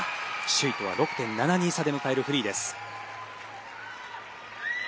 首位とは６．７２差で迎えるフリーです。